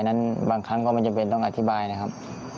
นั้นบางครั้งก็ไม่จำเป็นต้องอธิบายนะครับ